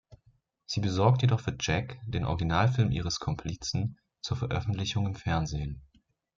Sie besorgt jedoch für Jack den Originalfilm ihres Komplizen zur Veröffentlichung im Fernsehen.